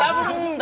だ